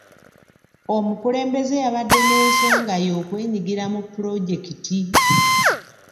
Omukulembeze yabadde n'ensonga ye okwenyigira mu pulojekiti.